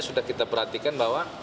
sudah kita perhatikan bahwa